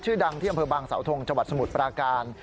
ชื่อดังที่อำเภบังเสาทงจวัดสมุทรปราการ